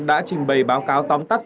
đã trình bày báo cáo tóm tắt